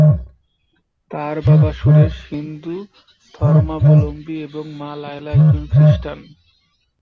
তাঁর বাবা সুরেশ হিন্দু ধর্মাবলম্বী এবং মা লায়লা একজন খ্রিস্টান।